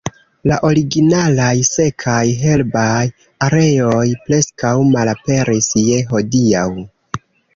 La originalaj sekaj, herbaj areoj preskaŭ malaperis je hodiaŭ.